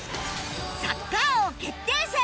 サッカー王決定戦